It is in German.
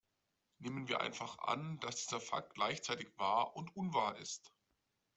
Nehmen wir einfach an, dass dieser Fakt gleichzeitig wahr und unwahr ist.